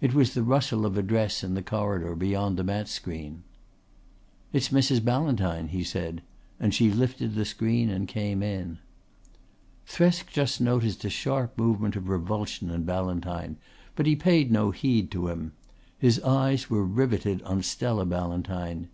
It was the rustle of a dress in the corridor beyond the mat screen. "It's Mrs. Ballantyne," he said, and she lifted the screen and came in. Thresk just noticed a sharp movement of revulsion in Ballantyne, but he paid no heed to him. His eyes were riveted on Stella Ballantyne.